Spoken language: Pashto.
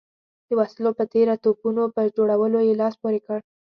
د وسلو په تېره توپونو په جوړولو یې لاس پورې کړ.